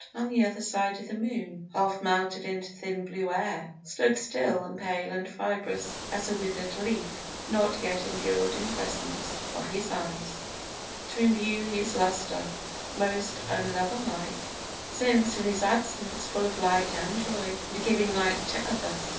On the other side the moon, Half melted into thin blue air, stood still And pale and fibrous as a wither'd leaf, Nor yet endured in presence of his eyes To imbue his lustre; most unloverlike; Since in his absence full of light and joy And giving light to others.